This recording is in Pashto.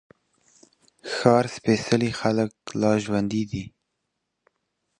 ښار سپېڅلي خلګ لا ژونـدي دي